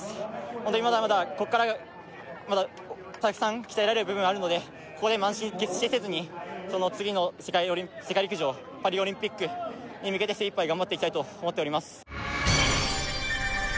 ホントにまだまだここからまだたくさん鍛えられる部分あるのでここで慢心決してせずにその次の世界陸上パリオリンピックに向けて精いっぱい頑張っていきたいと思っております